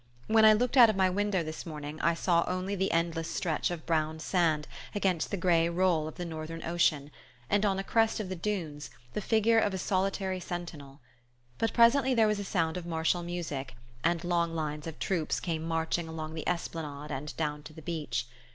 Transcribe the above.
When I looked out of my window this morning I saw only the endless stretch of brown sand against the grey roll of the Northern Ocean and, on a crest of the dunes, the figure of a solitary sentinel. But presently there was a sound of martial music, and long lines of troops came marching along the esplanade and down to the beach.